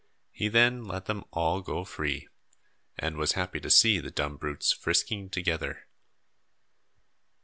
He then let them all go free, and was happy to see the dumb brutes frisking together.